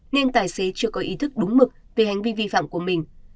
nên tài xế chưa có ý thức đúng mực về hành vi vi phạm của mình